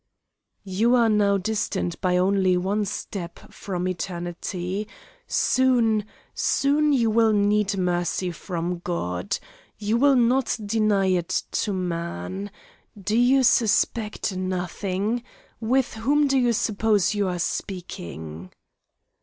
"You are now distant by only one step from eternity soon, soon will you need mercy from God. You will not deny it to man. Do you suspect nothing? With whom do you suppose you are speaking?"